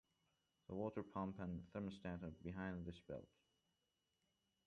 The water pump and thermostat are behind this belt.